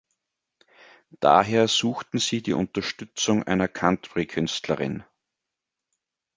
Daher suchten sie die Unterstützung einer Country-Künstlerin.